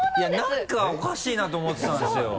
何かおかしいなと思ってたんですそう！